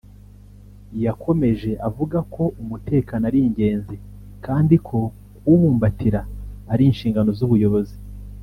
yakomeje avuga ko umutekano ari ngenzi kandi ko kuwubumbatira ari nshingano z’ubuyobozi